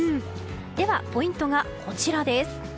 ではポイントはこちらです。